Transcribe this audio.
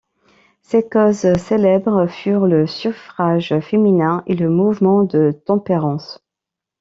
Ses causes célèbres furent le suffrage féminin et le mouvement de tempérance.